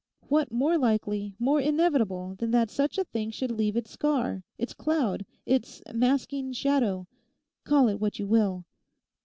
What more likely, more inevitable than that such a thing should leave its scar, its cloud, its masking shadow?—call it what you will.